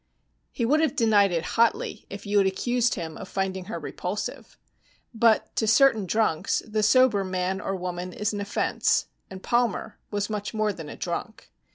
He would have denied it hotly if you had accused him of finding her repulsive. But to certain drunks, the sober man or woman is an offense, and Palmer was much more than a drunk.